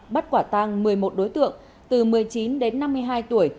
bắt quả tăng một mươi một đối tượng từ một mươi chín đến năm mươi hai tuổi